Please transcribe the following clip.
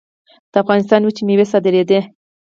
د افغانستان وچې میوې صادرېدې